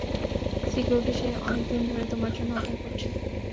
Security - সে অনেক দিন ধরে তোমার জন্য অপেক্ষা করছে।